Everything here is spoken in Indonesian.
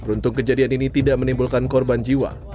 beruntung kejadian ini tidak menimbulkan korban jiwa